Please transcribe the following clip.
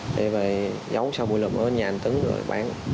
để về giấu sau buổi lượm ở nhà một tấn rồi bán